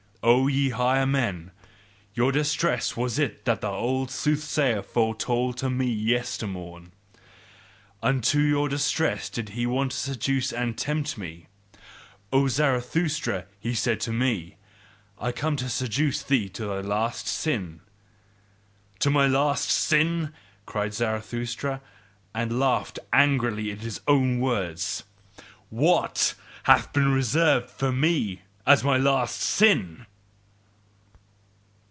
O ye higher men, YOUR distress was it that the old soothsayer foretold to me yester morn, Unto your distress did he want to seduce and tempt me: 'O Zarathustra,' said he to me, 'I come to seduce thee to thy last sin.' To my last sin?" cried Zarathustra, and laughed angrily at his own words: "WHAT hath been reserved for me as my last sin?"